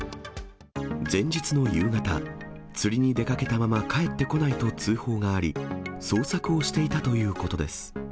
前日の夕方、釣りに出かけたまま帰ってこないと通報があり、捜索をしていたということです。